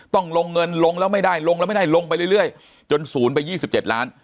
ต้องลงเงินลงแล้วไม่ได้ลงแล้วไม่ได้ลงไปเรื่อยจนศูนย์ไป๒๗ล้าน